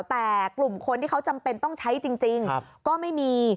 แต่กลุ่มคนที่เขาจำเป็นต้องใช้จริงก็ไม่มี